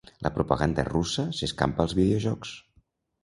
La propaganda russa s'escampa als videojocs